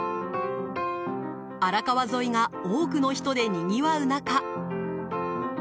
荒川沿いが多くの人でにぎわう中。